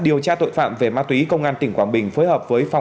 điều tra tội phạm về ma túy công an tỉnh quảng bình phối hợp với phòng